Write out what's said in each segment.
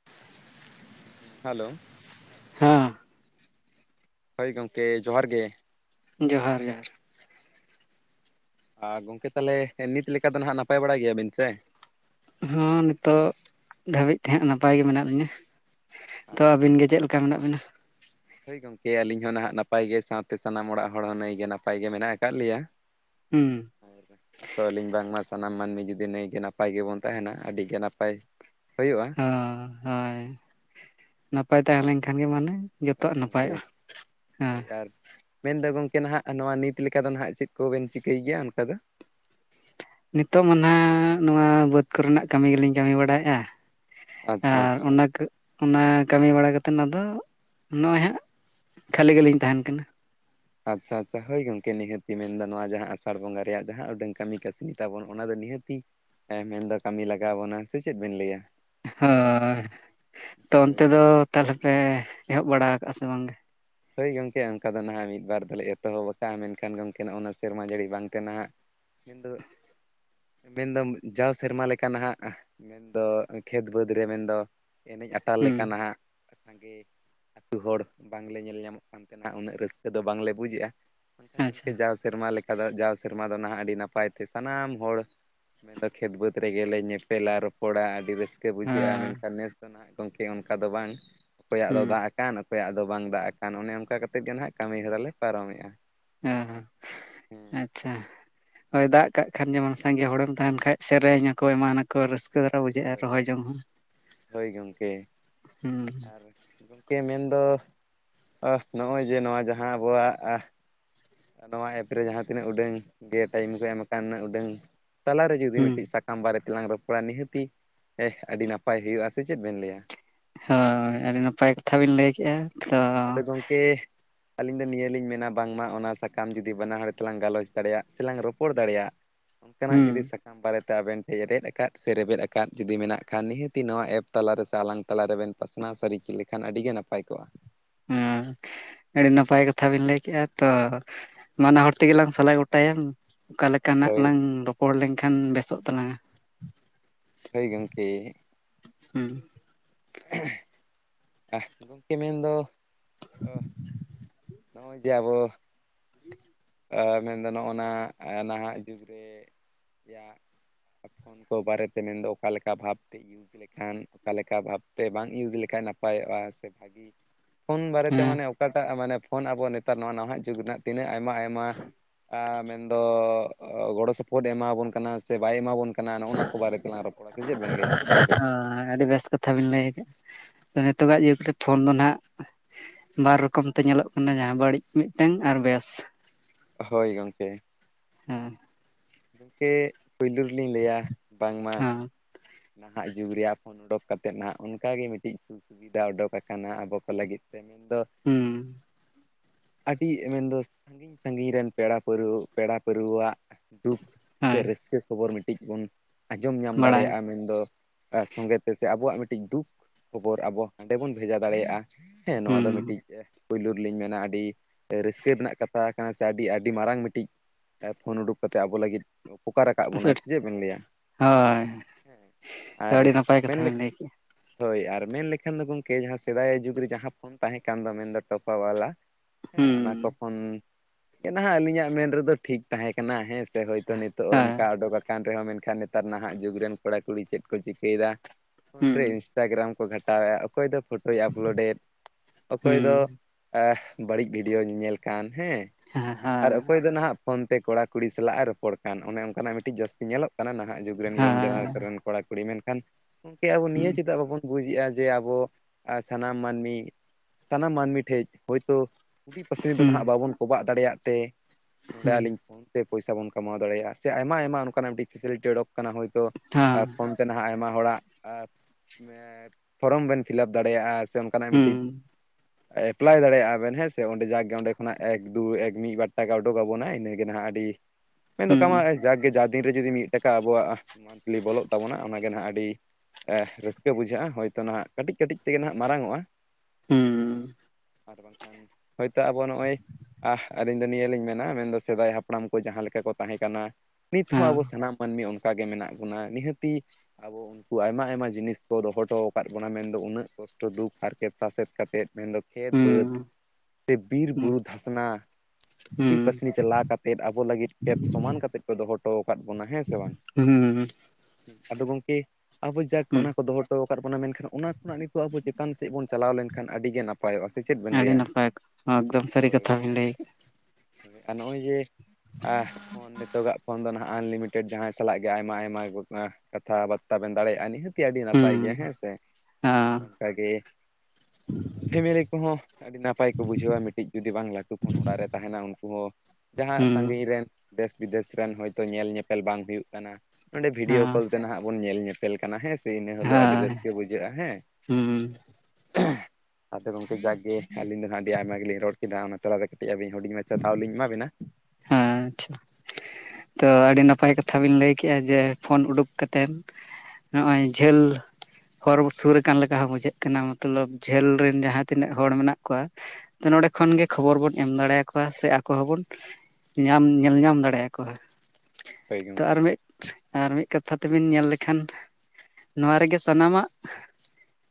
[inaudible] Hello ᱦᱮ ᱦᱳᱭ ᱜᱚᱢᱠᱮ ᱡᱚᱦᱟᱨ ᱜᱮ ᱡᱚᱦᱟᱨ ᱡᱚᱦᱟᱨ ᱟᱨ ᱜᱚᱢᱠᱮ ᱛᱟᱦᱚᱞᱮ ᱱᱤᱛ ᱞᱮᱠᱟ ᱫᱚ ᱱᱟᱦᱟᱜ ᱱᱟᱯᱟᱭ ᱵᱟᱲᱟ ᱜᱮᱭᱟᱵᱤᱱ ᱥᱮ ᱦᱚ ᱱᱤᱛᱚᱜ ᱫᱷᱟᱹᱵᱤᱡ ᱛᱮᱦᱟᱜ ᱱᱟᱯᱟᱭ ᱜᱮ ᱢᱮᱱᱟᱜ ᱞᱤᱧᱟᱹ ᱛᱚ ᱟᱪᱪᱷᱟ ᱟᱹᱵᱤᱱ ᱜᱮ ᱟᱪᱪᱷᱟ ᱪᱮᱫ ᱞᱮᱠᱟ ᱢᱮᱱᱟᱜ ᱵᱤᱱᱟ ᱦᱳᱭ ᱜᱚᱢᱠᱮ ᱟᱹᱞᱤᱧ ᱦᱚ ᱱᱟᱦᱟᱜ ᱱᱟᱯᱟᱭ ᱜᱮ ᱥᱟᱶᱛᱮ ᱥᱟᱱᱟᱢ ᱚᱲᱟᱜ ᱦᱚᱲ ᱦᱚ ᱱᱟᱹᱭᱜᱮ ᱱᱟᱯᱟᱭ ᱜᱮ ᱢᱮᱱᱟᱜ ᱟᱠᱟᱫ ᱞᱮᱭᱟ ᱦᱩ ᱟᱨ ᱟᱥᱚᱜ ᱟᱹᱞᱤᱧ ᱵᱟᱝᱢᱟ ᱥᱟᱱᱟᱢ ᱢᱟᱹᱱᱢᱤ ᱡᱩᱫᱤ ᱱᱟᱹᱭᱜᱮ ᱱᱟᱯᱟᱭ ᱜᱮᱵᱚᱱ ᱛᱟᱦᱮᱱᱟ ᱟᱰᱤᱜᱮ ᱱᱟᱯᱟᱭ ᱦᱩᱭᱩᱜᱼᱟ ᱦᱚ ᱦᱳᱭ ᱱᱟᱯᱟᱭ ᱛᱟᱦᱮ ᱞᱮᱱᱠᱷᱟᱱ ᱜᱮ ᱢᱟᱱᱮ ᱦᱳᱭ ᱡᱚᱛᱚᱣᱟᱜ ᱜᱚᱢᱠᱮ ᱱᱟᱯᱟᱭᱚᱜᱼᱟ ᱦᱮ ᱢᱮᱱᱫᱟ ᱜᱚᱝᱠᱮ ᱱᱟᱦᱟᱜ ᱱᱚᱣᱟ ᱱᱤᱛ ᱞᱮᱠᱟ ᱫᱚ ᱱᱟᱦᱟᱜ ᱪᱮᱫ ᱠᱚᱵᱮᱱ ᱪᱤᱠᱟᱹᱭ ᱜᱮᱭᱟ ᱚᱱᱠᱟ ᱫᱚ ᱱᱤᱛᱚᱜ ᱢᱟ ᱱᱟᱦᱟᱜ ᱱᱚᱣᱟ ᱵᱟᱹᱫᱽ ᱠᱚᱨᱮᱱᱟᱜ ᱠᱟᱹᱢᱤ ᱜᱮᱞᱤᱧ ᱠᱟᱹᱢᱤ ᱵᱟᱲᱟᱭᱮᱫᱼᱟ ᱟᱪᱪᱷᱟ ᱟᱨ ᱟᱪᱪᱷᱟ ᱚᱱᱟ [unintelligible] ᱚᱱᱟ ᱠᱟᱹᱢᱤ ᱵᱟᱲᱟ ᱠᱟᱛᱮᱫ ᱚᱱᱟᱫᱚ ᱱᱚᱜᱼᱚ ᱦᱟᱜ ᱠᱷᱟᱹᱞᱤ ᱜᱮᱞᱤᱧ ᱛᱟᱦᱮᱱ ᱠᱟᱱᱟ ᱟᱪᱷᱟ ᱟᱪᱷᱟ ᱦᱳᱭ ᱜᱚᱢᱠᱮ ᱱᱤᱦᱟᱹᱛᱤ ᱢᱮᱱᱫᱟ ᱱᱚᱣᱟ ᱡᱟᱦᱟᱸ ᱟᱥᱟᱲ ᱵᱚᱸᱜᱟ ᱨᱮᱭᱟᱜ ᱡᱟᱦᱟᱸ ᱩᱰᱟᱹᱝ ᱠᱟᱹᱢᱤ ᱠᱟᱹᱥᱱᱤ ᱛᱟᱵᱚᱱ ᱚᱱᱟ ᱫᱚ ᱱᱤᱦᱟᱹᱛᱤ ᱦᱮᱸ ᱢᱮᱱᱫᱚ ᱠᱟᱹᱢᱤ ᱞᱟᱜᱟᱣ ᱵᱚᱱᱟ ᱥᱮ ᱪᱮᱫ ᱵᱮᱱ ᱞᱟᱹᱭᱟ? ᱦᱳᱭ ᱛᱚ ᱚᱱᱛᱮ ᱦᱳᱭ ᱫᱚ ᱛᱟᱦᱚᱞᱮ ᱯᱮ ᱮᱦᱚᱵ ᱵᱟᱲᱟ ᱠᱟᱜᱼᱟ ᱥᱮ ᱵᱟᱝᱜᱮ? ᱦᱳᱭ ᱜᱚᱢᱠᱮ ᱚᱱᱠᱟ ᱫᱚ ᱱᱟᱦᱟᱸᱜ ᱢᱤᱫ ᱵᱟᱨ ᱫᱚᱞᱮ ᱮᱛᱚᱦᱚᱵ ᱠᱟᱜᱼᱟ ᱢᱮᱱᱠᱷᱟᱱ ᱜᱚᱢᱠᱮ ᱚᱱᱟ ᱥᱮᱨᱢᱟ ᱡᱟᱹᱲᱤ ᱵᱟᱝᱛᱮ ᱱᱟᱦᱟᱸᱜ ᱢᱮᱱ ᱫᱚ ᱢᱮᱱᱫᱚ ᱡᱟᱣ ᱥᱮᱨᱢᱟ ᱞᱮᱠᱟ ᱱᱟᱦᱟᱸᱜ ᱢᱮᱱᱫᱚ ᱠᱷᱮᱛ ᱵᱟᱹᱫᱽ ᱨᱮ ᱢᱮᱱᱫᱚ ᱮᱱᱮᱡ ᱟᱴᱟᱞ ᱞᱮᱠᱟ ᱦᱩᱸ ᱱᱟᱦᱟᱸᱜ ᱥᱟᱸᱜᱮ ᱟᱛᱩ ᱦᱚᱲ ᱵᱟᱝ ᱵᱟᱝᱞᱮ ᱧᱮᱞ ᱧᱟᱢᱚᱜ ᱠᱟᱱ ᱛᱟᱦᱮᱸᱱᱟ ᱩᱱᱟᱹᱜ ᱨᱟᱹᱥᱠᱟᱹ ᱫᱚ ᱵᱟᱝᱞᱮ ᱵᱩᱡ ᱮᱼᱟ ᱢᱮᱱᱠᱷᱟᱱ ᱟᱪᱪᱷᱟ ᱜᱚᱢᱠᱮ ᱡᱟᱣ ᱥᱮᱨᱢᱟ ᱞᱮᱠᱟ ᱫᱚ ᱡᱟᱣ ᱥᱮᱨᱢᱟ ᱫᱚ ᱱᱟᱦᱟᱸᱜ ᱟᱹᱰᱤ ᱱᱟᱯᱟᱭ ᱛᱮ ᱥᱟᱱᱟᱢ ᱦᱚᱲ ᱢᱮᱱᱫᱚ ᱠᱷᱮᱛ ᱵᱟᱹᱫᱽ ᱨᱮᱜᱮᱞᱮ ᱧᱮᱯᱮᱞᱟ ᱨᱚᱯᱚᱲᱟ ᱟᱹᱰᱤ ᱨᱟᱹᱥ ᱠᱟᱹ ᱵᱩᱡᱷᱟᱹᱜᱼᱟ ᱦᱮᱸ ᱢᱮᱱᱠᱷᱟᱱ ᱱᱮᱥ ᱫᱚ ᱱᱟᱦᱟᱸᱜ ᱜᱚᱢᱠᱮ ᱚᱱᱠᱟ ᱫᱚ ᱵᱟᱝ ᱚᱠᱚᱭᱟᱜ ᱫᱚ ᱦᱩᱸ ᱫᱟᱜ ᱟᱠᱟᱱ ᱚᱠᱚᱭᱟᱜ ᱫᱚ ᱵᱟᱝ ᱫᱟᱜ ᱟᱠᱟᱱ ᱚᱱᱮ ᱚᱱᱠᱟ ᱠᱟᱛᱮᱫ ᱜᱮ ᱦᱟᱸᱜ ᱠᱟᱹᱢᱤ ᱦᱚᱨᱟᱞᱮ ᱯᱟᱨᱚᱢᱮᱜᱼᱟ᱾ ᱦᱮᱸ ᱦᱮᱸ ᱦᱮᱸ ᱟᱪ ᱟᱪᱪᱷᱟ ᱦᱳᱭ ᱫᱟᱜ ᱠᱟᱜ ᱠᱷᱟᱱ ᱡᱮᱢᱚᱱ ᱥᱟᱸᱜᱮ ᱦᱚᱲᱮᱢ ᱛᱟᱦᱮᱸᱱ ᱠᱷᱟᱡ ᱥᱮᱨᱮᱧᱟᱠᱚ ᱮᱢᱟᱱᱟᱠᱚ ᱨᱟᱹᱥᱠᱟᱹ ᱠᱟᱹ ᱵᱩᱡᱷᱟᱹᱜᱼᱟ ᱨᱚᱦᱚᱭ ᱦᱳᱭ ᱡᱚᱝ ᱦᱚᱸ ᱦᱳᱭ ᱜᱚᱢᱠᱮ ᱦᱩᱸ᱾ ᱟᱨ ᱜᱚᱢᱠᱮ ᱢᱮᱱᱫᱚ ᱟᱦ ᱱᱚᱸᱜᱼᱚᱭ ᱡᱮ ᱱᱚᱣᱟ ᱡᱟᱦᱟᱸ ᱟᱵᱚᱣᱟᱜ ᱱᱚᱣᱟ ᱮᱯ ᱨᱮ ᱡᱟᱦᱟᱸ ᱛᱤᱱᱟᱹᱜ ᱩᱰᱟᱹᱝ ᱜᱮ ᱴᱟᱭᱤᱢ ᱠᱚ ᱮᱢ ᱠᱟᱱ ᱩᱱᱟᱹᱜ ᱩᱰᱟᱹᱝ ᱛᱟᱞᱟᱨᱮ ᱡᱩᱫᱤ ᱦᱩᱸ ᱢᱤᱫᱴᱤᱡ ᱥᱟ ᱛᱟᱢ ᱵᱟᱨᱮᱛᱮᱞᱟᱝ ᱨᱚᱯᱚᱲᱟ ᱱᱤᱦᱟᱹᱛᱤ ᱦᱮᱸ ᱟᱹᱰᱤ ᱱᱟᱯᱟᱭ ᱦᱩᱭᱩᱜᱼᱟ ᱥᱮ ᱪᱮᱫ ᱵᱮᱱ ᱞᱟᱹᱭᱟ? ᱦᱳᱭ ᱟᱹᱰᱤ ᱱᱟᱯᱟᱭ ᱠᱟᱛᱷᱟ ᱵᱤᱱ ᱞᱟᱹᱭ ᱠᱮᱜᱼᱟ᱾ ᱛᱚ ᱟᱫᱚ ᱜᱚᱢᱠᱮ ᱟᱹᱞᱤᱧ ᱫᱚ ᱱᱤᱭᱟᱹ ᱞᱤᱧ ᱢᱮᱱᱟ ᱵᱟᱝᱢᱟ ᱚᱱᱟ ᱥᱟᱠᱟᱢ ᱡᱩᱫᱤ ᱵᱟᱱᱟ ᱦᱚᱲ ᱛᱮᱞᱟᱝ ᱜᱟᱞᱚᱪ ᱫᱟᱲᱮᱭᱟᱜ ᱥᱮ ᱞᱟᱝ ᱨᱚᱯᱚᱲ ᱫᱟᱲᱮᱭᱟᱜ ᱚᱱᱠᱟᱱᱟᱜ ᱦᱩᱸ ᱡᱩᱫᱤ ᱥᱟ ᱛᱟᱢ ᱵᱟᱨᱮᱛᱮ ᱟᱵᱮᱱ ᱴᱷᱮᱱ ᱨᱮᱫ ᱠᱟᱫ ᱥᱮ ᱨᱮᱵᱮᱫ ᱟᱠᱟᱫ ᱡᱩᱫᱤ ᱢᱮᱱᱟᱜ ᱠᱷᱟᱱ ᱱᱤᱦᱟᱹᱛᱤ ᱱᱚᱣᱟ ᱮᱯ ᱛᱟᱞᱟᱨᱮ ᱥᱮ ᱟᱞᱟᱝ ᱛᱟᱞᱟ ᱨᱮᱵᱮᱱ ᱯᱟᱥᱱᱟᱣ ᱥᱟᱹᱨᱤ ᱠᱮᱫ ᱞᱮᱠᱷᱟᱱ ᱟᱹᱰᱤ ᱜᱮ ᱱᱟᱯᱟᱭ ᱠᱚᱜᱼᱟ᱾ ᱦᱩᱸ ᱟᱹᱰᱤ ᱱᱟᱯᱟᱭ ᱠᱟᱛᱷᱟ ᱵᱮᱤᱱ ᱞᱟᱹᱭ ᱠᱮᱜᱼᱟ ᱛᱚ ᱵᱟᱱᱟ ᱦᱚᱲ ᱛᱮᱜᱮ ᱞᱟᱝ ᱥᱟᱞᱟ ᱜᱚᱴᱟᱭᱟ᱾ ᱚᱠᱟ ᱞᱮᱠᱟᱱᱟᱜ ᱦᱳᱭ ᱞᱟᱝ ᱨᱚᱯᱚᱲ ᱞᱮᱱᱠᱷᱟᱱ ᱵᱮᱥᱚᱜ ᱛᱟᱞᱟᱝᱟ? ᱦᱳᱭ ᱜᱚᱝᱠᱮ᱾ ᱦᱩᱸ᱾ ᱟᱦ ᱜᱚᱢᱠᱮ ᱢᱮᱱᱫᱚ ᱱᱚᱜᱼᱚᱭ ᱡᱮ ᱟᱵᱚ ᱚ ᱢᱮᱱᱫᱚ ᱱᱚᱜᱼᱱᱟ ᱱᱟᱦᱟᱸᱜ ᱡᱩᱜᱽ ᱨᱮ ᱡᱮ [inaudible] ᱵᱟᱨᱮᱛᱮ ᱢᱮᱱᱫᱚ ᱚᱠᱟᱞᱮᱠᱟ ᱵᱷᱟᱵᱽᱛᱮ ᱤᱭᱩᱡᱽ ᱞᱮᱠᱷᱟᱱ ᱚᱠᱟ ᱞᱮᱠᱟ ᱵᱷᱟᱵᱛᱮ ᱵᱟᱝ ᱤᱭᱩᱡᱽ ᱞᱮᱠᱷᱟᱱ ᱱᱟᱯᱟᱭᱚᱜᱼᱟ, ᱥᱮ ᱵᱷᱟᱜᱤ ᱯᱷᱳᱱ ᱵᱟᱨᱮᱛᱮ ᱦᱮᱸ ᱢᱟᱱᱮ ᱚᱠᱟᱴᱟᱜ ᱢᱟᱱᱮ ᱯᱷᱳᱱ ᱟᱵᱚ ᱱᱮᱛᱟᱨ ᱱᱚᱣᱟ ᱱᱟᱦᱟᱸᱜ ᱡᱩᱜᱽ ᱨᱮᱱᱟᱜ ᱛᱤᱱᱟᱹᱜ ᱟᱭᱢᱟ ᱟᱭᱢᱟ ᱟ ᱢᱮᱱᱫᱚ ᱜᱚᱲᱚ ᱥᱚᱯᱚᱦᱚᱫ ᱮᱢᱟᱵᱚᱱ ᱠᱟᱱᱟ ᱥᱮ ᱵᱟᱭ ᱮᱢᱟᱵᱚᱱ ᱠᱟᱱᱟ, ᱱᱚᱜᱼᱱᱟ ᱠᱚ ᱵᱟᱨᱮ ᱛᱮᱞᱟᱝ ᱨᱚᱯᱚᱲᱟ᱾ ᱥᱮ ᱪᱮᱫ ᱵᱮᱱ ᱞᱟᱹᱭᱟ? ᱦᱟᱸ ᱟᱹᱰᱤ ᱵᱮᱥ ᱠᱟᱛᱷᱟ ᱵᱤᱱ ᱞᱟᱹᱭ ᱠᱟᱜᱼᱟ, ᱱᱤᱛᱚᱜᱟᱜ ᱡᱩᱜᱽ ᱨᱮ ᱯᱷᱳᱱ ᱫᱚ ᱱᱟᱸᱜ ᱵᱟᱨ ᱨᱚᱠᱚᱢ ᱛᱮ ᱧᱮᱞᱚᱜ ᱠᱟᱱᱟ ᱡᱟᱦᱟᱸ ᱵᱟᱹᱲᱤᱡ ᱢᱤᱫᱴᱮᱱ ᱟᱨ ᱵᱮᱥ ᱾ ᱦᱳᱭ ᱜᱚᱢᱠᱮ᱾ ᱦᱮᱸ᱾ ᱜᱚᱢᱠᱮ ᱯᱩᱭᱞᱳ ᱨᱮᱞᱤᱧ ᱞᱟᱹᱭᱟ, ᱵᱟᱝᱢᱟ ᱦᱮᱸ ᱱᱟᱦᱟᱸᱜ ᱡᱩᱜᱽ ᱨᱮᱭᱟᱜ ᱯᱷᱳᱱ ᱚᱰᱳᱠ ᱠᱟᱛᱮᱫ ᱱᱟᱦᱟᱸᱜ ᱚᱱᱠᱟ ᱜᱮ ᱢᱤᱫᱴᱤᱡ ᱥᱩᱠᱽ ᱥᱩᱵᱤᱫᱷᱟ ᱚᱰᱳᱠ ᱟᱠᱟᱱᱟ ᱟᱵᱚ ᱠᱚ ᱞᱟᱹᱜᱤᱫ᱾ ᱛᱮᱦᱮᱧ ᱫᱚ ᱦᱩᱸ ᱟᱹᱰᱤ ᱢᱮᱱᱫᱚ ᱥᱟᱺᱜᱤᱧ ᱥᱟᱺᱜᱤᱧ ᱨᱮᱱ ᱯᱮᱲᱟ ᱯᱟᱹᱨᱣᱟᱹ, ᱯᱮᱲᱟ ᱯᱟᱹᱨᱟᱹᱣᱟᱜ ᱫᱩᱠ ᱥᱮ ᱦᱮᱸ ᱨᱟᱹᱥᱠᱟᱹ ᱠᱷᱚᱵᱚᱨ ᱢᱤᱫᱴᱤᱡ ᱵᱚᱱ ᱟᱸᱡᱚᱢ ᱧᱟᱢ ᱵᱟᱲᱟᱭ ᱫᱟᱲᱮᱭᱟᱜᱼᱟ᱾ ᱫᱚ ᱥᱚᱸᱜᱮ ᱛᱮᱥᱮ ᱟᱵᱚᱣᱟᱜ ᱢᱤᱫᱴᱤᱡ ᱫᱩᱠ ᱠᱷᱚᱵᱚᱨ ᱟᱵᱚ ᱦᱟᱸᱰᱮ ᱵᱚᱱ ᱵᱷᱮᱡᱟ ᱫᱟᱲᱮᱭᱟᱜᱼᱟ᱾ ᱦᱮᱸ ᱱᱚᱣᱟ ᱦᱩᱸ ᱫᱚ ᱢᱤᱫᱴᱤᱡ ᱮᱚ ᱯᱳᱭᱞᱳ ᱨᱮᱞᱤᱧ ᱢᱮᱱᱟ ᱟᱹᱰᱤ ᱨᱟᱹᱥᱠᱟᱹ ᱨᱮᱱᱟᱜ ᱠᱟᱛᱷᱟ ᱠᱟᱱᱟ ᱥᱮ ᱟᱹᱰᱤ ᱟᱹᱰᱤ ᱢᱟᱨᱟᱝ ᱢᱤᱫᱴᱤᱡ ᱯᱷᱳᱱ ᱩᱰᱩᱠ ᱠᱟᱛᱮᱫ ᱟᱵᱚ ᱞᱟᱹᱜᱤᱫ ᱩᱯᱚᱠᱟᱨ ᱟᱠᱟᱫ ᱵᱚᱱᱟᱭ ᱥᱮ ᱪᱮᱫ ᱵᱮᱱ ᱞᱟᱹᱭᱟ? ᱦᱳᱭ, ᱦᱮᱸ ᱟᱨ ᱟᱹᱰᱤ ᱱᱟᱯᱟᱭ ᱢᱮᱱ ᱠᱟᱛᱷᱟ ᱵᱮᱱ ᱞᱮᱠᱷᱟᱱ ᱞᱟᱹᱭ ᱠᱮᱜᱼᱟ᱾ ᱦᱳᱭ ᱟᱨ ᱢᱮᱱ ᱞᱮᱠᱷᱟᱱ ᱫᱚ ᱜᱚᱝᱠᱮ ᱡᱟᱦᱟᱸ ᱥᱮᱫᱟᱭᱟᱜ ᱡᱩᱜᱽ ᱨᱮ ᱡᱟᱦᱟᱸ ᱯᱷᱳᱱ ᱛᱟᱦᱮᱸ ᱠᱟᱱ ᱫᱚ ᱢᱮᱱᱫᱚ ᱴᱚᱯᱟ ᱵᱟᱞᱟ ᱦᱮᱸ ᱦᱩᱸ ᱚᱱᱟ ᱠᱚ ᱯᱳᱱ ᱜᱮ ᱱᱟᱦᱟᱜ ᱟᱹᱞᱤᱧᱟᱜ ᱢᱮᱱ ᱨᱮᱫᱚ ᱴᱷᱤᱠ ᱛᱟᱦᱮᱸ ᱠᱟᱱᱟ ᱦᱮᱸ ᱥᱮ, ᱦᱳᱭᱛᱳ ᱱᱤᱛᱚᱜ ᱦᱮᱸ ᱚᱱᱠᱟ ᱚᱰᱳᱠ ᱟᱠᱟᱱ ᱨᱮᱦᱚᱸ ᱢᱮᱱᱠᱷᱟᱱ ᱱᱮᱛᱟᱨ ᱱᱟᱦᱟᱜ ᱡᱩᱜᱽ ᱨᱮᱱ ᱠᱚᱲᱟ ᱠᱩᱲᱤ ᱪᱮᱫ ᱠᱚ ᱪᱤᱠᱟᱹᱭᱮᱫᱟ ᱯᱷᱳᱱ ᱦᱩᱸ ᱨᱮ ᱤᱱᱥᱴᱟᱜᱨᱟᱢ ᱠᱚ ᱜᱷᱟᱴᱟᱣᱮᱫᱼᱟ, ᱚᱠᱚᱭ ᱫᱚ ᱯᱷᱳᱴᱳ ᱦᱳᱭ ᱟᱯᱞᱳᱰᱮᱮᱫ ᱚᱠᱚᱭ ᱦᱩᱸ ᱫᱚ ᱵᱟᱹᱲᱤᱡ ᱵᱷᱤᱰᱤᱭᱳ ᱧᱮᱞ ᱠᱟᱱ ᱦᱮᱸ ᱟᱨ ᱚᱠᱚᱭ ᱫᱚ ᱱᱟᱦᱟᱜ ᱯᱷᱳᱱ ᱛᱮ ᱠᱚᱲᱟ ᱠᱩᱲᱤ ᱥᱟᱞᱟᱜ ᱮᱚ ᱨᱚᱯᱚᱲ ᱠᱟᱱ ᱚᱱᱮ ᱚᱱᱠᱟᱱᱟᱜ ᱢᱤᱫᱴᱤᱡ ᱡᱟᱹᱥᱛᱤ ᱧᱮᱞᱚᱜ ᱠᱟᱱᱟ ᱱᱟᱦᱟᱜ ᱡᱩᱜᱽ ᱨᱮᱱ ᱤᱭᱚᱝ ᱡᱮᱱᱟᱨᱮᱥᱚᱱ ᱚᱱ ᱠᱚᱲᱟ ᱠᱩᱲᱤ ᱢᱮᱱᱠᱷᱟᱱ ᱜᱚᱝᱠᱮ ᱟᱵᱚ ᱦᱮᱸ ᱱᱤᱭᱟᱹ ᱪᱮᱫᱟᱜ ᱵᱟᱵᱚᱱ ᱵᱩᱡ ᱮᱚᱼᱟ ᱡᱮ ᱟᱵᱚ ᱥᱟᱱᱟᱢ ᱢᱟᱹᱱᱢᱤ ᱥᱟᱱᱟᱢ ᱢᱟᱹᱱᱢᱤ ᱴᱷᱮᱡ ᱦᱚᱳᱭᱛᱳ ᱠᱩᱰᱤ ᱯᱟᱹᱥᱱᱤ ᱫᱚ ᱦᱩᱸ ᱱᱟᱦᱟᱜ ᱵᱟᱵᱚᱱ ᱠᱚᱵᱟᱜ ᱫᱟᱲᱮᱭᱟᱜ ᱛᱮ ᱦᱩᱸ ᱦᱮᱸ ᱦᱩᱸ ᱱᱚᱰᱮ ᱟᱹᱞᱤᱧ ᱯᱷᱳᱱ ᱛᱮ ᱯᱚᱭᱥᱟ ᱵᱚᱱ ᱠᱟᱢᱟᱣ ᱫᱟᱲᱮᱭᱟᱜᱼᱟ, ᱥᱮ ᱟᱭᱢᱟ ᱟᱭᱢᱟ ᱚᱱᱠᱟᱱᱟᱜ ᱢᱤᱫᱴᱤᱡ ᱯᱷᱮᱥᱮᱞᱤᱴᱤ ᱩᱰᱳᱠ ᱟᱠᱟᱱᱟ ᱦᱚᱭᱛᱳ ᱯᱷᱳᱱ ᱛᱮ ᱱᱟᱦᱟᱜ ᱟᱭᱢᱟ ᱦᱚᱲᱟᱜ ᱯᱷᱨᱚᱢ ᱵᱮᱱ ᱯᱷᱤᱞᱟᱯ ᱫᱟᱲᱮᱭᱟᱜᱼᱟ ᱥᱮ ᱚᱱᱠᱟᱱᱟᱜ ᱦᱩᱸ ᱦᱩᱸ ᱢᱤᱫᱴᱤᱡ ᱦᱮᱸ ᱮᱯᱞᱟᱭ ᱫᱟᱲᱮᱭᱟᱜᱼᱟ ᱵᱮᱱ ᱦᱮᱸ ᱥᱮ ᱚᱸᱰᱮ ᱡᱟᱜᱮ ᱚᱸᱰᱮ ᱠᱷᱚᱱᱟᱜ ᱮᱠ ᱫᱩ ᱮᱠ ᱢᱤᱫ ᱵᱟᱨ ᱴᱟᱠᱟ ᱩᱰᱩᱠᱟ ᱟᱵᱚᱱᱟ ᱤᱱᱟᱹᱜᱮ ᱱᱟᱦᱟᱜ ᱟᱹᱰᱤ ᱢᱮᱱ ᱫᱟᱠᱚ ᱚᱠᱟ ᱢᱟ ᱡᱟᱠᱮ ᱡᱟ ᱫᱤᱱ ᱨᱮ ᱡᱩᱫᱤ ᱢᱤᱫ ᱴᱟᱠᱟ ᱟᱵᱚᱣᱟᱜ ᱢᱟᱱᱛᱷ ᱞᱤ ᱵᱚᱞᱚᱜ ᱛᱟᱵᱚᱱᱟ ᱚᱱᱟᱜᱮ ᱱᱟᱦᱟᱜ ᱟᱹᱰᱤ ᱨᱟᱹᱥᱠᱟᱹ ᱵᱩᱡᱷᱟᱹᱜᱼᱟ ᱦᱳᱭᱛᱳ ᱱᱟᱦᱟᱜ ᱠᱟᱹᱴᱤᱡ ᱠᱟᱹᱴᱤᱡ ᱛᱮᱜᱮ ᱱᱟᱦᱜ ᱢᱟᱨᱟᱝᱚᱜᱼᱟ᱾ ᱦᱩᱸ᱾ ᱟᱨ ᱵᱟᱝᱠᱷᱟᱱ, ᱦᱳᱭᱛᱳ ᱟᱵᱚ ᱱᱚᱜᱼᱚᱭ ᱟᱦ ᱟᱹᱞᱤᱧ ᱫᱚ ᱱᱤᱭᱟᱹ ᱞᱤᱧ ᱢᱮᱱᱟ ᱢᱮᱱᱫᱚ ᱥᱮᱫᱟᱭ ᱦᱟᱯᱲᱟᱢ ᱠᱚ ᱡᱟᱦᱟᱸ ᱞᱮᱠᱟ ᱠᱚ ᱛᱟᱦᱮᱸ ᱠᱟᱱᱟ ᱱᱤᱛ ᱦᱚᱸ ᱟᱵᱚ ᱥᱟᱱᱟᱢ ᱢᱟᱹᱱᱢᱤ ᱚᱱᱠᱟ ᱜᱮ ᱢᱮᱱᱟᱜ ᱵᱚᱱᱟ ᱱᱤᱦᱟᱹᱛᱤ ᱟᱵᱚ ᱩᱱᱠᱩ ᱟᱭᱢᱟ ᱟᱭᱢᱟ ᱡᱤᱱᱤᱥ ᱠᱚ ᱫᱚᱦᱚᱴᱚ ᱟᱠᱟᱫ ᱵᱚᱱᱟ ᱢᱮᱱᱫᱚ ᱩᱱᱟᱹᱜ ᱠᱚᱥᱴᱚ, ᱫᱩᱠ, ᱦᱟᱨᱠᱮᱛ, ᱥᱟᱥᱮᱛ, ᱠᱟᱛᱮᱫ ᱢᱮᱱ ᱫᱚ ᱠᱷᱮᱛ, ᱵᱟᱹᱫᱽ, ᱥᱮ ᱵᱤᱨ, ᱵᱩᱨᱩ, ᱦᱩᱸ ᱫᱷᱟᱥᱱᱟ ᱠᱩᱰᱤ ᱯᱟᱹᱥᱱᱤ ᱛᱮ ᱞᱟ ᱠᱟᱛᱮᱫ ᱟᱵᱚ ᱞᱟᱹᱜᱤᱫ ᱠᱷᱮᱛ ᱥᱚᱢᱟᱱ ᱠᱟᱛᱮᱫ ᱠᱚ ᱫᱚᱦᱚ ᱦᱚᱴᱚ ᱟᱠᱟᱫ ᱵᱚᱱᱟ ᱦᱮᱸ ᱥᱮ ᱵᱟᱝ? ᱦᱩᱸᱻᱦᱩᱸ᱾ ᱟᱫᱚ ᱜᱚᱝᱠᱮ ᱟᱵᱚ ᱡᱟᱠ ᱦᱩᱸ ᱚᱱᱟ ᱠᱚ ᱫᱚᱦᱚ ᱦᱚᱴᱚ ᱟᱠᱟ ᱵᱚᱱᱟ ᱢᱮᱱᱠᱷᱟᱱ ᱚᱱᱟ ᱠᱷᱚᱱᱟᱜ ᱱᱤᱛᱚᱜ ᱟᱵᱚ ᱪᱮᱛᱟᱱ ᱥᱮᱫ ᱵᱚᱱ ᱪᱟᱞᱟᱣ ᱞᱮᱱᱠᱷᱟᱱ ᱟᱹᱰᱤᱜᱮ ᱱᱟᱯᱟᱭ ᱯᱟᱭᱚᱜᱼᱟ, ᱥᱮ ᱪᱮᱫ ᱵᱮᱱ ᱞᱟᱹᱭᱟ? ᱯᱮᱠ, ᱮᱠᱫᱚᱢ ᱥᱟᱹᱨᱤ ᱦᱳᱭ ᱠᱟᱛᱷᱟ ᱵᱮᱱ ᱞᱟᱹᱭᱮᱫᱼᱟ ᱾ ᱟᱨ ᱱᱚᱜᱼᱚᱭ ᱡᱮ ᱟᱦ ᱯᱷᱳᱱ ᱱᱤᱛᱚᱜᱟᱜ ᱯᱷᱳᱱ ᱫᱚ ᱱᱟᱦᱟᱜ ᱟᱱᱞᱤᱢᱤᱴᱮᱰ ᱡᱟᱦᱟᱸᱭ ᱥᱟᱞᱟᱜ ᱜᱮ ᱟᱭᱢᱟ ᱟᱭᱢᱟ [unintelligible] ᱠᱟᱛᱷᱟ ᱵᱟᱛᱛᱟ ᱵᱮᱱ ᱫᱟᱲᱮᱭᱟᱜᱼᱟ ᱱᱤᱦᱟᱹᱛᱤ ᱟᱹᱰᱤ ᱱᱟᱯᱟᱭ ᱜᱮᱭᱟ ᱦᱮᱸ ᱥᱮ᱾ ᱟᱨ ᱚᱱᱠᱟᱜᱮ ᱯᱷᱮᱢᱮᱞᱤ ᱠᱚᱦᱚᱸ ᱟᱹᱰᱤ ᱱᱟᱯᱟᱭ ᱠᱚ ᱵᱩᱡᱷᱟᱹᱣᱟ ᱢᱤᱫᱴᱤᱡ ᱡᱩᱫᱤ ᱵᱟᱝ ᱞᱟᱹᱴᱩ ᱠᱷᱚᱱ ᱚᱲᱟᱜ ᱨᱮ ᱛᱟᱦᱮᱱᱟ ᱩᱱᱠᱩ ᱦᱚᱸ ᱡᱟᱦᱟᱸ ᱦᱩᱸ ᱦᱮᱸ ᱥᱟᱺᱜᱤᱧ ᱨᱮᱱ ᱫᱮᱥ ᱵᱤᱫᱮᱥ ᱨᱮᱱ ᱦᱳᱭ ᱛᱚ ᱧᱮᱞ ᱧᱮᱯᱮᱞ ᱵᱟᱝ ᱦᱩᱭᱩᱜ ᱠᱟᱱᱟ ᱚᱸᱰᱮ ᱵᱷᱤᱰᱭᱳ ᱠᱚᱞ ᱛᱮ ᱱᱟᱦᱟᱜ ᱵᱚᱱ ᱧᱮᱞ ᱧᱮᱯᱮᱞ ᱠᱟᱱᱟ ᱦᱮᱸ ᱥᱮ ᱤᱱᱟᱹ ᱦᱤᱞᱳᱜ ᱦᱮᱸ ᱟᱹᱰᱤ ᱨᱟᱹᱥᱠᱟᱹ ᱵᱩᱡᱷᱟᱹᱜᱼᱟ ᱦᱮᱸ᱾ [inaudible] ᱟᱫᱚ ᱜᱚᱝᱠᱮ ᱡᱟᱜᱠᱮ ᱟᱹᱞᱤᱧ ᱫᱚ ᱦᱟᱸᱜ ᱟᱹᱰᱤ ᱟᱭᱢᱟ ᱜᱮᱞᱤᱧ ᱨᱚᱲ ᱠᱮᱫᱟ ᱚᱱᱟ ᱛᱟᱞᱟ ᱫᱚ ᱠᱟᱹᱴᱤᱡ ᱟᱹᱵᱤᱱ ᱦᱩᱰᱤᱧ ᱢᱟᱪᱷᱟ ᱫᱟᱣ ᱞᱤᱧ ᱮᱢᱟ ᱵᱤᱱᱟ᱾ ᱦᱮᱸ ᱟᱪᱪᱷᱟ᱾ ᱛᱚ ᱟᱹᱰᱤ ᱱᱟᱯᱟᱭ ᱠᱟᱛᱷᱟ ᱵᱤᱱ ᱞᱟᱹᱭ ᱠᱮᱫᱼᱟ ᱾ ᱡᱮ ᱯᱷᱳᱱ ᱩᱰᱩᱠ ᱠᱟᱛᱮᱱ ᱱᱚᱜᱼᱚᱭ ᱡᱷᱟᱹᱞ ᱦᱚᱨ ᱥᱩᱨ ᱟᱠᱟᱱ ᱞᱮᱠᱟ ᱦᱚᱸ ᱵᱩᱡᱷᱟᱹᱜ ᱠᱟᱱᱟ᱾ ᱢᱚᱛᱞᱚᱵ ᱡᱷᱽᱟᱹᱞ ᱨᱮᱱ ᱡᱟᱦᱟᱸ ᱛᱤᱱᱟᱹᱜ ᱦᱚᱲ ᱢᱮᱱᱟᱜ ᱠᱚᱣᱟ᱾ ᱱᱚᱰᱮᱸ ᱠᱷᱚᱱ ᱜᱮ ᱠᱷᱚᱵᱚᱨ ᱵᱚᱱ ᱮᱢ ᱫᱟᱲᱮᱸ ᱟᱠᱚᱣᱟ᱾ ᱥᱮ ᱟᱠᱚ ᱦᱚᱸᱵᱚᱱ ᱧᱟᱢ, ᱧᱮᱞ ᱧᱟᱢ ᱫᱟᱲᱮ ᱟᱠᱚᱣᱟ ᱦᱳᱭ ᱾ ᱛᱚ ᱟᱨ ᱜᱚᱝᱠᱮ ᱢᱤᱫ ᱟᱨ ᱢᱤᱫ ᱠᱟᱛᱷᱟ ᱛᱮᱵᱮᱱ ᱧᱮᱞ ᱞᱮᱠᱷᱟᱱ, ᱱᱚᱣᱟ ᱨᱮᱜᱮ ᱥᱟᱱᱟᱢᱟᱜ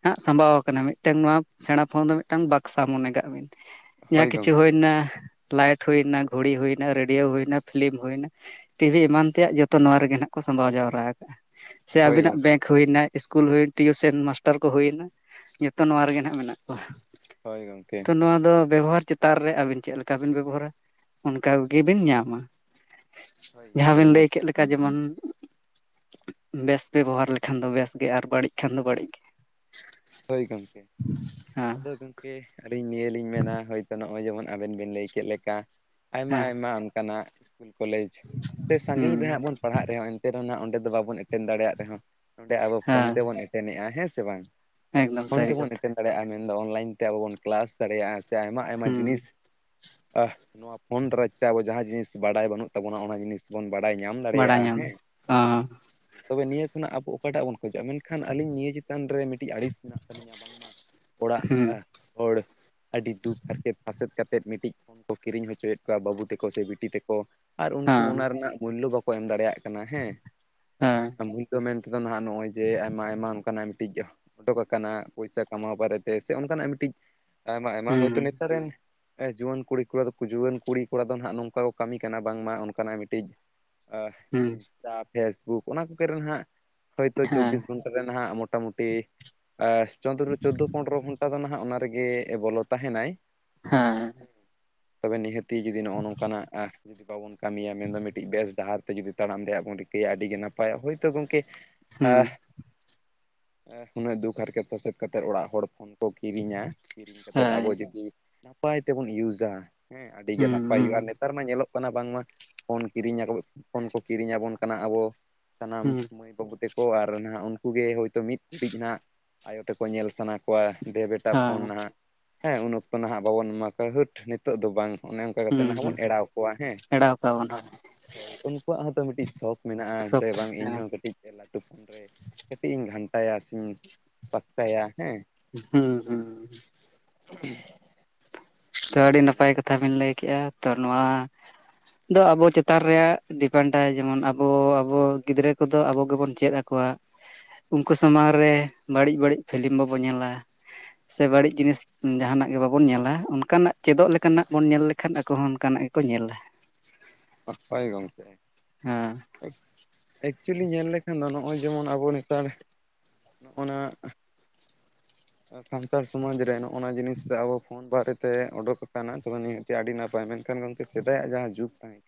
ᱦᱟᱜ ᱥᱟᱸᱵᱟᱣ ᱟᱠᱟᱱᱟ, ᱢᱤᱫᱴᱟᱝ ᱱᱚᱣᱟ ᱥᱮᱬᱟᱸ ᱯᱷᱳᱱ ᱫᱚ ᱢᱤᱫᱴᱟᱝ ᱵᱟᱠᱥᱟ ᱢᱚᱱᱮ ᱠᱟᱜ ᱵᱤᱱ ᱦᱳᱭ ᱡᱟᱦᱟᱸ ᱠᱤᱪᱷᱩ ᱜᱚᱝᱠᱮ ᱦᱩᱭ ᱮᱱᱟ, ᱞᱟᱭᱤᱴ ᱦᱩᱭᱱᱟ, ᱜᱷᱩᱲᱤ ᱦᱩᱭ ᱮᱱᱟ, ᱨᱮᱰᱤᱭᱳ ᱦᱩᱭᱱᱟ, ᱯᱷᱤᱞᱤᱢ ᱦᱩᱭ ᱮᱱᱟ, ᱴᱤᱵᱷᱤ ᱮᱢᱟᱱ ᱛᱮᱭᱟᱜ ᱡᱚᱛᱚ ᱱᱚᱣᱟ᱾ ᱨᱮᱜᱮ ᱱᱟᱦᱟᱜ ᱠᱚ ᱥᱟᱢᱵᱟᱣ ᱡᱟᱣᱨᱟ ᱟᱠᱟᱜᱼᱟ᱾ ᱥᱮ ᱦᱳᱭ ᱟᱵᱤᱱᱟᱜ ᱜᱚᱝᱠᱮ ᱵᱮᱝᱠ ᱦᱩᱭ ᱮᱱᱟ, ᱤᱥᱠᱩᱞ ᱦᱩᱭ ᱮᱱᱟ, ᱴᱤᱭᱩᱥᱚᱱ ᱢᱟᱥᱴᱟᱨ ᱠᱚ ᱦᱩᱭᱮᱱᱟ᱾ ᱡᱚᱛᱚ ᱱᱚᱣᱟ ᱨᱮᱜᱮ ᱱᱟᱜ ᱢᱮᱱᱟᱜ ᱦᱳᱭ ᱜᱚᱝᱠᱮ ᱛᱚ ᱱᱚᱣᱟ ᱫᱚ ᱵᱮᱵᱚᱦᱟᱨ ᱪᱮᱛᱟᱱ ᱨᱮ, ᱟᱵᱤᱱ ᱪᱮᱫ ᱞᱮᱠᱟ ᱵᱤᱱ ᱵᱮᱵᱚᱦᱟᱨᱟ ᱾ᱚᱱᱠᱟ ᱜᱮᱵᱤᱱ ᱧᱟᱢᱟ᱾ ᱦᱳᱭ ᱡᱟᱦᱟᱸ ᱜᱚᱝᱠᱮ ᱵᱤᱱ ᱞᱟᱹᱭ ᱱᱤᱦᱟᱹᱛᱤ ᱠᱮᱫ ᱞᱮᱠᱟ ᱡᱮᱢᱚᱱ ᱵᱮᱥ ᱯᱮ ᱵᱮᱵᱚᱦᱟᱨ ᱞᱮᱠᱷᱟᱱ ᱫᱚ, ᱵᱮᱥ ᱜᱮ ᱟᱨ ᱵᱟᱹᱲᱤᱡ ᱠᱷᱟᱱ ᱫᱚ ᱵᱟᱹᱲᱤᱡ ᱜᱮ᱾ ᱦᱳᱭ ᱜᱚᱝᱠᱮ ᱦᱮᱸ ᱟᱫᱚ ᱜᱚᱝᱠᱮ ᱟᱹᱞᱤᱧ ᱱᱤᱭᱟᱹ ᱞᱤᱧ ᱢᱮᱱᱟ ᱦᱳᱭᱛᱚ ᱱᱚᱣᱟ᱾ ᱱᱚᱜᱼᱚᱭ ᱡᱮᱢᱚᱱ ᱟᱵᱮᱱ ᱵᱤᱱ ᱞᱟᱹᱭ ᱠᱮᱫ ᱞᱮᱠᱟ᱾ ᱟᱭᱢᱟ - ᱦᱮᱸ ᱟᱭᱢᱟ ᱚᱱᱠᱟᱱᱟᱜ ᱤᱥᱠᱩᱞ ᱠᱚᱞᱮᱡᱽ, ᱥᱮ ᱦᱩᱸ ᱥᱟᱺᱜᱤᱧ ᱨᱮᱦᱲᱜ ᱵᱚᱱ ᱯᱟᱲᱦᱟᱜ ᱨᱮᱦᱚᱸ ᱮᱱᱛᱮ ᱨᱮᱦᱚᱸ ᱚᱸᱰᱮ ᱫᱚ ᱵᱟᱵᱚᱱ ᱮᱴᱠ ᱮᱴᱮᱱ ᱫᱟᱲᱮᱭᱟᱜ ᱨᱮᱦᱚᱸ ᱱᱚᱸᱰᱮ ᱟᱵᱚ ᱯᱷᱳᱱ ᱦᱮᱸ ᱛᱮᱵᱚᱱ ᱮᱴᱮᱱᱮᱜᱼᱟ᱾ ᱦᱮᱸ ᱥᱮ ᱵᱟᱝ? ᱮᱠᱫᱚᱢ ᱯᱷᱳᱱ ᱥᱟᱹᱨᱤ ᱛᱮᱵᱚᱱ ᱠᱟᱛᱷᱟ ᱮᱴᱮᱱ ᱫᱟᱲᱮᱭᱟᱜᱼᱟ᱾ ᱢᱮᱱᱫᱚ ᱚᱱᱞᱟᱭᱤᱱ ᱛᱮ ᱟᱵᱚ ᱵᱚᱱ ᱠᱞᱟᱥ ᱫᱟᱲᱮᱭᱟᱜᱼᱟ ᱾ᱥᱮ ᱟᱭᱢᱟ - ᱟᱭᱢᱟ ᱦᱩᱸ ᱡᱤᱱᱤᱥ ᱟᱦ ᱱᱚᱣᱟ ᱯᱷᱳᱱ ᱫᱟᱨᱟᱭ ᱛᱮ ᱟᱵᱚ ᱡᱟᱦᱟᱸ ᱡᱤᱱᱤᱥ, ᱵᱟᱰᱟᱭ ᱵᱟᱹᱱᱩᱜ ᱛᱟᱵᱚᱱᱟ᱾ ᱚᱱᱟ ᱡᱤᱱᱤᱥ ᱵᱚᱱ ᱵᱟᱰᱟᱭ ᱧᱟᱢ ᱵᱟᱲᱟᱭ ᱫᱟᱲᱮᱭᱟᱜᱼᱟ ᱧᱟᱢᱟ ᱾ᱦᱮᱸ ᱦᱮᱸ ᱛᱚᱵᱮ ᱱᱤᱭᱟᱹ ᱠᱷᱚᱱᱟᱜ ᱟᱵᱚ ᱚᱠᱟᱴᱟᱜ ᱵᱚᱱ ᱠᱷᱚᱡᱚᱜᱼᱟ᱾ ᱢᱮᱱᱠᱷᱟᱱ ᱟᱹᱞᱤᱧ ᱱᱤᱭᱟᱹ ᱪᱮᱛᱟᱱ ᱨᱮ, ᱢᱤᱫᱴᱤᱡ ᱟᱹᱲᱤᱥ ᱢᱮᱱᱟᱜ ᱛᱟᱞᱤᱧᱟ ᱵᱟᱝᱢᱟ, ᱚᱲᱟᱜ ᱦᱩᱸ ᱦᱚᱲ ᱟᱹᱰᱤ ᱫᱩᱠ ᱦᱟᱨᱠᱮᱛ ᱯᱷᱟᱥᱮᱛ ᱠᱟᱛᱮᱫ ᱢᱤᱫᱴᱤᱡ, ᱯᱷᱳᱱ ᱠᱚ ᱠᱤᱨᱤᱧ ᱦᱚᱪᱚᱭᱮᱫ ᱠᱚᱣᱟ ᱾ᱵᱟᱹᱵᱩ ᱛᱟᱠᱚ ᱥᱮ ᱵᱤᱴᱤ ᱛᱮᱠᱚ ᱟᱨ ᱩᱱᱠᱩ ᱦᱮᱸ ᱚᱱᱟ ᱨᱮᱱᱟᱜ ᱢᱩᱞᱞᱚ ᱵᱟᱠᱚ ᱮᱢ ᱫᱟᱲᱮᱭᱟᱜ ᱠᱟᱱᱟ᱾ ᱦᱮᱸ ᱦᱮᱸ ᱫᱚ ᱢᱮᱱᱛᱮ ᱫᱚ ᱱᱟᱦᱟᱜ ᱱᱚᱜᱼᱚᱭ ᱡᱮ, ᱟᱭᱢᱟ - ᱟᱭᱢᱟ ᱚᱱᱠᱟᱱᱟᱜ ᱢᱤᱫᱴᱤᱡ ᱯᱷᱳᱴᱳ ᱠᱟ᱾ ᱠᱟᱱᱟ ᱯᱚᱭᱥᱟ ᱠᱟᱢᱟᱣ ᱵᱟᱨᱮᱛᱮ ᱾ ᱥᱮ ᱚᱱᱠᱟᱱᱟᱜ ᱢᱤᱫᱴᱤᱡ ᱟᱭᱢᱟ - ᱟᱭᱢᱟ ᱦᱩᱸ ᱦᱚᱭᱛᱳ ᱱᱮᱛᱟᱨ ᱨᱮᱱ ᱡᱩᱣᱟᱹᱱ ᱠᱩᱲᱤ ᱠᱚᱲᱟ ᱡᱩᱣᱟᱹᱱ ᱠᱩᱲᱤ ᱠᱚᱲᱟ ᱾ ᱫᱚ ᱦᱟᱜ ᱱᱚᱝᱠᱟ ᱠᱚ ᱠᱟᱹᱢᱤ ᱠᱟᱱᱟ ᱾ ᱵᱟᱝᱢᱟ ᱚᱱᱠᱟᱱᱟᱜ ᱢᱤᱫᱴᱤᱡ ᱦᱩᱸ ᱤᱱᱥᱴᱟ ᱯᱷᱮᱥᱵᱩᱠ ᱚᱱᱟ ᱠᱚ ᱠᱚᱨᱮ ᱱᱟᱦᱟᱜ, ᱦᱳᱭᱛᱳ ᱦᱮᱸ ᱪᱚᱵᱽᱵᱤᱥ ᱜᱷᱚᱱᱴᱟ ᱨᱮ ᱱᱟᱦᱟᱜ ᱢᱚᱴᱟᱢᱩᱴᱤ ᱮᱸ ᱪᱚᱫᱨᱚ ᱪᱳᱫᱽᱫᱳ ᱯᱚᱱᱨᱚ ᱜᱷᱚᱱᱴᱟ ᱫᱚ ᱱᱟᱦᱟᱜ, ᱚᱱᱟ ᱨᱮᱜᱮ ᱵᱚᱞᱚ ᱛᱟᱦᱮᱸᱱᱟᱭ᱾ ᱦᱮᱸ ᱛᱚᱵᱮ ᱱᱤᱦᱟᱹᱛᱤ ᱡᱩᱫᱤ ᱱᱚᱜᱼᱚ ᱱᱚᱝᱠᱟᱱᱟᱜᱼ- ᱡᱩᱫᱤ ᱵᱟᱵᱚᱱ ᱠᱟᱹᱢᱤᱭᱟ᱾ ᱢᱮᱱᱫᱚ ᱢᱤᱫᱴᱤᱡ ᱵᱮᱥ ᱰᱟᱦᱟᱨ ᱛᱮ, ᱡᱩᱫᱤ ᱛᱟᱲᱟᱢ ᱨᱮᱭᱟᱜ ᱵᱚᱱ ᱨᱤᱠᱟᱹᱭᱟ᱾ ᱟᱹᱰᱤᱜᱮ ᱱᱟᱯᱟᱭᱟ᱾ ᱦᱳᱭᱛᱳ ᱜᱚᱝᱠᱮ ᱦᱩᱸ ᱟᱦ ᱩᱱᱟᱹᱜ ᱫᱩᱠ ᱦᱟᱨᱠᱮᱛ ᱥᱟᱥᱮᱛ ᱠᱟᱛᱮᱫ ᱚᱲᱟᱜ ᱦᱚᱲ ᱯᱷᱳᱱ ᱠᱚ ᱠᱤᱨᱤᱧᱟ ᱾ ᱠᱤᱨᱤᱧ ᱠᱟᱛᱮᱫ ᱦᱮᱸ ᱟᱵᱚ ᱡᱩᱫᱤ ᱱᱟᱯᱟᱭ ᱛᱮᱵᱚᱱ ᱤᱭᱩᱡᱟ ᱦᱮᱸ ᱟᱹᱰᱤ ᱜᱮ ᱦᱩᱸ ᱱᱟᱯᱟᱭ ᱦᱩᱭᱩᱜᱼᱟ᱾ ᱦᱩᱸ ᱱᱮ ᱱᱮᱛᱟᱨ ᱢᱟ ᱧᱮᱞᱚᱜ ᱠᱟᱱᱟ ᱾ ᱵᱟᱝᱢᱟ ᱯᱷᱳᱱ ᱠᱤᱨᱤᱧᱟ᱾ ᱯᱷᱳᱱ ᱠᱚ ᱠᱤᱨᱤᱧᱟᱵᱚᱱ ᱠᱟᱱᱟ ᱟᱵᱚ ᱥᱟᱱᱟᱢ ᱦᱩᱸ ᱢᱟᱹᱭ ᱵᱟᱹᱵᱩ ᱛᱮᱠᱚ, ᱟᱨ ᱱᱟᱦᱟᱜ ᱩᱱᱠᱩ ᱜᱮ ᱦᱳᱭᱛᱳ ᱢᱤᱫ ᱠᱩᱲᱤᱡ ᱱᱟᱦᱟᱜ, ᱟᱭᱳ ᱛᱮᱠᱚ ᱧᱮᱞ ᱥᱟᱱᱟ᱾ ᱠᱚᱣᱟ ᱫᱮ ᱵᱮᱴᱟ ᱯᱷᱳᱱ ᱦᱮᱸ ᱱᱟᱦᱟᱜ ᱦᱮᱸ ᱩᱱ ᱚᱠᱛᱚ ᱱᱟᱦᱟᱜ ᱵᱟᱵᱚᱱ ᱮᱢᱟ ᱠᱚᱣᱟ᱾ ᱦᱟᱹᱴ ᱱᱤᱛᱚᱜ ᱫᱚ ᱵᱟᱝ᱾ ᱚᱱᱮ ᱚᱱᱠᱟ ᱠᱟᱛᱮᱫ ᱦᱩᱸ ᱱᱟᱦᱟᱵ ᱦᱩᱸ ᱵᱚᱱ ᱮᱲᱟᱣ ᱠᱚᱣᱟ ᱦᱮᱸ ᱮᱲᱟᱣ ᱠᱟᱜ ᱵᱚᱱ ᱦᱳᱭ ᱩᱱᱠᱩᱣᱟᱜ ᱦᱚᱸᱛᱚ ᱢᱤᱫᱴᱤᱡ ᱥᱚᱠᱷ ᱢᱮᱱᱟᱜᱼᱟ᱾ ᱥᱚᱵ ᱡᱮ ᱵᱟᱝ ᱦᱮᱸ ᱤᱧᱦᱚᱸ ᱠᱟᱹᱴᱤᱡ ᱞᱟᱹᱴᱩ ᱯᱷᱚᱱ ᱨᱮ ᱠᱟᱹᱴᱤᱡ ᱤᱧ ᱜᱷᱟᱱᱴᱟᱭᱟ᱾ ᱥᱮᱧ ᱯᱟᱥᱠᱟᱭᱟ ᱦᱮᱸ᱾ ᱦᱩᱸ ᱦᱩᱸ ᱛᱚ ᱟᱹᱰᱤ ᱱᱟᱯᱟᱭ ᱠᱟᱛᱷᱟ ᱵᱤᱱ ᱞᱟᱹᱭ ᱠᱮᱫᱼᱟ᱾ ᱛᱚ ᱱᱚᱣᱟ ᱫᱚ ᱟᱵᱚ ᱪᱮᱛᱟᱱ ᱨᱮᱭᱟᱜ ᱰᱤᱯᱮᱱᱰᱟᱭ᱾ ᱡᱮᱢᱚᱱ ᱟᱵᱚ ᱟᱵᱚ ᱜᱤᱫᱽᱨᱟᱹ ᱠᱚᱼᱫᱚ ᱟᱵᱚ ᱜᱮᱵᱚᱱ ᱪᱮᱫ ᱠᱚᱣᱟᱜ᱾ ᱩᱱᱠᱩ ᱥᱟᱢᱟᱝ ᱨᱮ ᱵᱟᱹᱲᱤᱡ ᱵᱟᱹᱲᱤᱡ ᱯᱷᱤᱞᱤᱢ ᱵᱟᱵᱚᱱ ᱧᱮᱞᱟ᱾ ᱥᱮ ᱵᱟᱹᱲᱤᱡ ᱡᱤᱱᱤᱥ ᱡᱟᱦᱟᱱᱟᱜ ᱜᱮ ᱵᱟᱵᱚᱱ ᱧᱮᱞᱟ᱾ ᱚᱱᱟ ᱠᱟᱱᱟᱜ ᱪᱮᱫᱚᱜ ᱞᱮᱠᱟᱱᱟᱜ ᱵᱚᱱ ᱧᱮᱞ ᱞᱮᱠᱷᱟᱱ ᱟᱠᱚ ᱦᱚᱸ ᱚᱱᱠᱟᱱᱟᱜ ᱜᱮᱠᱚ ᱧᱮᱞᱟ᱾ ᱦᱚᱸᱜ ᱚᱭ ᱜᱚᱝᱠᱮ᱾ ᱦᱮᱸ᱾ ᱮᱠ ᱮᱠᱪᱩᱭᱮᱞᱤ ᱧᱮᱞ ᱞᱮᱠᱷᱟᱱ ᱫᱚ ᱱᱚᱜᱼᱚᱭ ᱡᱮᱢᱚᱱ ᱟᱵᱚ ᱱᱮᱛᱟᱨ ᱱᱚᱜᱼᱚᱱᱟ ᱥᱟᱱᱛᱟᱲ ᱥᱚᱢᱟᱡᱽ ᱨᱮ ᱱᱚᱜᱼᱱᱟ ᱡᱤᱱᱤᱥ ᱨᱮ ᱟᱵᱚ ᱯᱷᱳᱱ ᱵᱟᱨᱮᱛᱮ ᱚᱰᱳᱠ ᱟᱠᱟᱱᱟ, ᱛᱚᱵᱮ ᱱᱤᱭᱟᱹ ᱛᱮ ᱟᱹᱰᱤ ᱱᱟᱯᱟᱭ ᱢᱮᱱᱠᱷᱟᱱ ᱜᱚᱝᱠᱮ ᱥᱮᱫᱟᱭᱟᱜ ᱡᱟᱦᱟᱸ ᱡᱩᱜᱽ ᱛᱟᱦᱮᱸ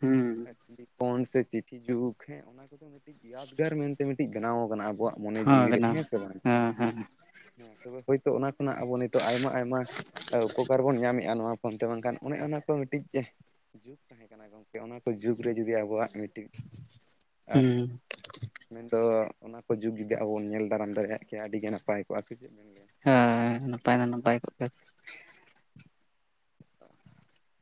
ᱦᱩᱸ᱾ ᱴᱮᱞᱤᱯᱷᱳᱱ ᱥᱮ ᱪᱤᱴᱷᱤ ᱡᱩᱜᱽ ᱦᱮᱸ ᱚᱱᱟ ᱠᱚᱫᱚ ᱢᱤᱫᱴᱤᱡ ᱭᱟᱫᱽᱜᱟᱨ ᱢᱮᱱᱛᱮ ᱢᱤᱫᱴᱤᱡ ᱵᱮᱱᱟᱣ ᱠᱟᱱᱟ ᱟᱵᱚᱣᱟᱜ ᱢᱚᱱᱮ ᱦᱳᱭ ᱡᱤᱣᱤᱮ ᱵᱮᱱᱟᱣ ᱦᱮᱸ ᱥᱮ ᱵᱟᱝ᱾ ᱦᱮᱸ ᱦᱮᱸ ᱦᱮᱸ ᱛᱚᱵᱮ ᱦᱳᱭᱛᱳ ᱚᱱᱟ ᱠᱷᱚᱱᱟᱜ ᱟᱵᱚ ᱱᱤᱛᱳᱜ ᱟᱭᱢᱟ ᱟᱭᱢᱟ ᱟ ᱩᱯᱚᱠᱟᱨ ᱵᱚᱱ ᱧᱟᱢᱮᱜᱼᱟ ᱱᱚᱣᱟ ᱯᱷᱳᱱ ᱛᱮ, ᱵᱟᱝᱠᱷᱟᱱ ᱚᱱᱮ ᱚᱱᱟᱠᱚ ᱢᱤᱫᱴᱤᱡ ᱡᱩᱜᱽ ᱛᱟᱦᱮᱸ ᱠᱟᱱᱟ ᱜᱚᱝᱠᱮ ᱚᱱᱟ ᱠᱚ ᱡᱩᱜᱽ ᱨᱮ ᱡᱩᱫᱤ ᱟᱵᱚᱣᱟᱜ ᱢᱤᱫᱴᱤᱡ ᱮᱦ ᱦᱩᱸ ᱢᱮᱱᱫᱚ ᱚᱱᱟ ᱠᱚ ᱡᱩᱜᱽ ᱡᱩᱫᱤ ᱟᱵᱚ ᱵᱚᱱ ᱧᱮᱞ ᱫᱟᱨᱟᱢ ᱫᱟᱲᱮᱭᱟᱜ ᱠᱮᱭᱟ ᱟᱹᱰᱤᱜᱮ ᱱᱟᱯᱟᱭ ᱠᱚᱜᱼᱟ ᱥᱮ ᱪᱮᱫ ᱵᱮᱱ ᱢᱮᱱᱟ? ᱦᱮᱸ ᱱᱟᱯᱟᱭ ᱫᱚ ᱱᱟᱯᱟᱭ ᱠᱚᱜ ᱜᱮᱭᱟ᱾ [inaudible]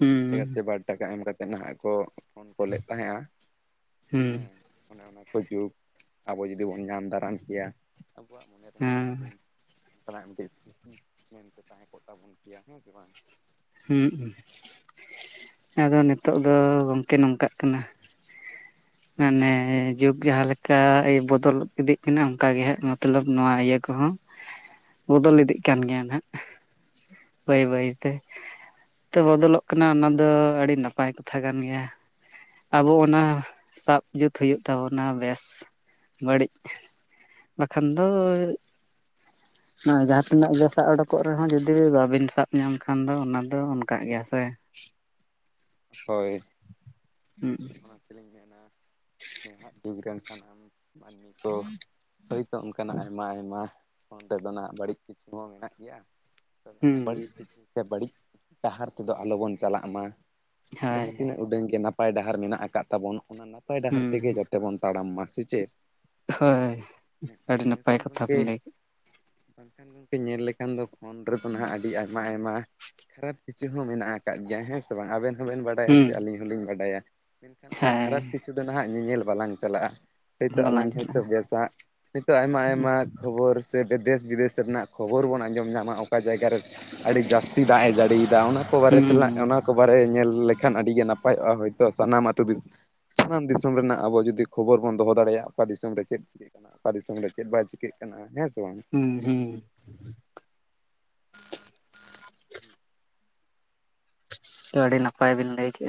ᱦᱩᱸ ᱴᱟᱠᱟ ᱮᱢ ᱠᱟᱛᱮᱫ ᱱᱟᱦᱟᱜ ᱠᱚ ᱯᱷᱳᱱ ᱠᱚᱞᱮᱫ ᱛᱟᱦᱮᱸᱜᱼᱟ ᱦᱩᱸ ᱦᱮᱸ᱾ ᱚᱱᱮ ᱚᱱᱟ ᱠᱚ ᱡᱩᱜᱽ ᱟᱵᱚ ᱡᱩᱫᱤ ᱵᱚᱱ ᱧᱟᱢ ᱫᱟᱨᱟᱢ ᱠᱮᱭᱟ ᱟᱵᱚᱣᱟᱜ ᱢᱚᱱᱮ ᱨᱮᱦᱚᱸ ᱦᱮᱸ ᱢᱤᱫᱴᱤᱱ ᱚᱱᱠᱟᱱᱟᱜ ᱢᱤᱫᱴᱤᱡ ᱥᱨᱤᱛᱤ ᱢᱮᱱᱛᱮ ᱛᱟᱦᱮᱸ ᱠᱚᱜ ᱛᱟᱵᱚᱱ ᱠᱮᱭᱟ᱾ ᱦᱮᱸ ᱥᱮ ᱵᱟᱝ? ᱦᱩᱸᱜ ᱩᱸ᱾ ᱟᱫᱚ ᱱᱤᱛᱳᱜ ᱫᱚ ᱜᱚᱝᱠᱮ ᱱᱚᱝᱠᱟᱜ ᱠᱟᱱᱟ [inaudible] ᱟᱱᱮ ᱡᱩᱜᱽ ᱡᱟᱦᱟᱸ ᱞᱮᱠᱟ ᱵᱚᱫᱚᱞ ᱤᱫᱤᱜ ᱠᱟᱱᱟ ᱚᱝᱠᱟᱜᱮ ᱦᱟᱸᱜ ᱢᱚᱛᱞᱚᱵᱽ ᱱᱚᱣᱟ ᱤᱭᱟᱹ ᱠᱚᱦᱚᱸ [inaudible] ᱵᱚᱫᱚᱞ ᱤᱫᱤᱜ ᱠᱟᱱ ᱜᱮᱭᱟ ᱱᱟᱦᱟᱸᱜ ᱵᱟᱹᱭ ᱵᱟᱹᱭ ᱛᱮ᱾ ᱛᱚ ᱵᱚᱫᱚᱞᱚᱜ ᱠᱟᱱᱟ ᱚᱱᱟ ᱫᱚ ᱟᱹᱰᱤ ᱱᱟᱯᱟᱭ ᱠᱟᱛᱷᱟ ᱠᱟᱱ ᱜᱮᱭᱟ᱾ ᱟᱵᱚ ᱚᱱᱟ ᱥᱟᱵ ᱡᱩᱛ ᱦᱩᱭᱩᱜ ᱛᱟᱵᱚᱱᱟ ᱵᱮᱥ ᱵᱟᱹᱲᱤᱡ᱾ ᱵᱟᱠᱷᱟᱱ ᱫᱚ ᱚᱱᱟ ᱡᱟᱦᱟᱸ ᱛᱤᱱᱟᱹᱜ ᱜᱮ ᱥᱟᱵ ᱩᱰᱩᱠᱚᱜ ᱨᱮᱦᱚᱸ ᱡᱩᱫᱤ ᱜᱮ ᱵᱟᱵᱤᱱ ᱥᱟᱵ ᱧᱟᱢ ᱠᱟ ᱠᱷᱟᱱ ᱫᱚ ᱚᱱᱟ ᱫᱚ ᱚᱱᱠᱟᱜ ᱜᱮᱭᱟ ᱥᱮ᱾ ᱦᱳᱭ᱾ ᱦᱩᱸᱜ ᱩᱸ᱾ ᱚᱱᱟ ᱛᱮᱞᱤᱧ ᱢᱮᱱᱟ ᱱᱟᱦᱟᱜ ᱡᱩᱜᱽ ᱨᱮᱱ ᱥᱟᱱᱟᱢ ᱢᱟᱹᱱᱢᱤ ᱠᱚ ᱦᱳᱭᱛᱚ ᱚᱱᱠᱟᱱᱟᱜ ᱟᱭᱢᱟ ᱟᱭᱢᱟ ᱯᱷᱳᱱ ᱛᱮᱫᱚ ᱱᱟᱜ ᱵᱟᱹᱲᱤᱡ ᱠᱤᱪᱷᱩ ᱦᱚᱸ ᱢᱮᱱᱟᱜ ᱜᱮᱭᱟ᱾ ᱛᱚᱵᱮ ᱦᱩᱸ ᱚᱱᱟ ᱵᱟᱹᱲᱤᱡ ᱪᱤᱠᱤ ᱥᱮ ᱵᱟᱹᱲᱤᱡ ᱰᱟᱦᱟᱨ ᱛᱮᱫᱚ ᱟᱞᱚᱵᱚᱱ ᱪᱟᱞᱟᱜ ᱢᱟ᱾ ᱦᱳᱭ ᱡᱟᱦᱟᱸ ᱛᱤᱱᱟᱹᱜ ᱩᱰᱟᱹᱝ ᱜᱮ ᱱᱟᱯᱟᱭ ᱰᱟᱦᱟᱨ ᱢᱮᱱᱟᱜ ᱟᱠᱟᱫ ᱛᱟᱵᱚᱱ ᱚᱱᱟ ᱱᱟᱯᱟᱭ ᱰᱟᱦᱟᱨ ᱦᱩᱸ ᱛᱮᱜᱮ ᱡᱟ ᱛᱮᱵᱚᱱ ᱛᱟᱲᱟᱢ ᱢᱟ, ᱥᱮ ᱪᱮᱫ? ᱦᱳᱭ ᱟᱹᱰᱤ ᱱᱟᱯᱟᱭ ᱵᱟᱝᱠᱷᱟᱱ ᱠᱟᱛᱷᱟ ᱵᱤᱱ ᱜᱚᱝᱠᱮ ᱞᱟᱹᱭ ᱠᱮᱫ᱾ ᱵᱟᱝᱠᱷᱟᱱ ᱜᱚᱢᱠᱮ ᱧᱮᱞ ᱞᱮᱠᱷᱟᱱ ᱫᱚ ᱯᱷᱳᱱ ᱨᱮᱫᱚ ᱱᱟᱜ ᱟᱹᱰᱤ ᱟᱭᱢᱟ ᱟᱭᱢᱟ ᱠᱷᱟᱨᱟᱯ ᱠᱤᱪᱷᱩ ᱦᱚᱸ ᱢᱮᱱᱟᱜ ᱟᱠᱟᱫ ᱜᱮᱭᱟ᱾ ᱦᱮᱸ ᱥᱮ ᱵᱟᱝ? ᱟᱵᱮᱱ ᱦᱚᱸᱵᱮᱱ ᱵᱟᱰᱟᱭᱟ ᱦᱩᱸ ᱥᱮ ᱟᱹᱞᱤᱧ ᱦᱚᱸ ᱞᱤᱧ ᱵᱟᱰᱟᱭᱟ᱾ ᱢᱮᱱᱠᱷᱟᱱ ᱚᱱᱟ ᱦᱮᱸ ᱠᱷᱟᱨᱟᱯ ᱠᱤᱪᱷᱩ ᱫᱚ ᱱᱟᱦᱟᱜ ᱧᱮᱧᱮᱞ ᱵᱟᱞᱟᱝ ᱪᱟᱞᱟᱜᱼᱟ᱾ ᱦᱳᱭᱛᱳ ᱟᱞᱟᱝ ᱵᱟᱞᱟᱝ ᱦᱳᱭᱛᱳ ᱪᱟᱞᱟᱜᱼᱟ ᱵᱮᱥᱟᱜ ᱱᱤᱛᱳᱜ ᱟᱭᱢᱟ ᱟᱭᱢᱟ ᱠᱷᱳᱵᱳᱨ ᱛᱮ ᱫᱚ ᱫᱮᱥ ᱵᱤᱫᱮᱥ ᱨᱮᱱᱟᱜ ᱠᱷᱳᱵᱳᱨ ᱵᱚᱱ ᱟᱸᱡᱚᱢ ᱧᱟᱢᱟ ᱚᱠᱟ ᱡᱟᱭᱜᱟ ᱨᱮ ᱟᱹᱰᱤ ᱡᱟᱹᱥᱛᱤ ᱫᱟᱜ ᱮ ᱡᱟᱹᱲᱤᱭᱫᱟ ᱚᱱᱟ ᱛᱮ ᱠᱚ ᱵᱟᱨᱮ ᱦᱩᱸ ᱛᱮᱞᱟ ᱚᱱᱟ ᱠᱚ ᱵᱟᱨᱮ ᱧᱮᱞ ᱞᱮᱠᱷᱟᱱ ᱟᱹᱰᱤᱜᱮ ᱱᱟᱯᱟᱭᱚᱜᱼᱟ ᱦᱳᱭᱛᱳ ᱥᱟᱱᱟᱢ ᱟᱹᱛᱩ ᱫᱤᱥ ᱥᱟᱱᱟᱢ ᱫᱤᱥᱳᱢ ᱨᱮᱱᱟᱜ ᱟᱵᱚ ᱡᱩᱫᱤ ᱠᱷᱳᱵᱳᱨ ᱵᱚᱱ ᱫᱚᱦᱚ ᱫᱟᱲᱮᱭᱟᱜᱼᱟ ᱚᱠᱟ ᱫᱤᱥᱚᱢ ᱨᱮ ᱪᱮᱫ ᱪᱤᱠᱟ. ᱜ ᱠᱟᱱᱟ ᱚᱠᱟ ᱫᱤᱥᱚᱢ ᱨᱮ ᱪᱮᱫ ᱵᱟᱭ ᱪᱤᱠᱟᱹᱜ ᱠᱟᱱᱟ ᱦᱮᱸ ᱥᱮ ᱵᱟᱝ? ᱦᱩᱸ ᱦᱩᱸ ᱾ ᱛᱚ ᱟᱹᱰᱤ ᱱᱟᱯᱟᱭ ᱵᱤᱱ ᱞᱟᱹᱭ ᱠᱮᱜᱼᱟ ᱾